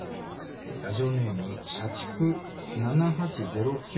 ラジオネーム社畜７８０９号さん。